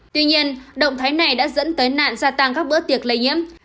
tuy nhiên động thái này đã dẫn tới nạn gia tăng các bữa tiệc lây nhiễm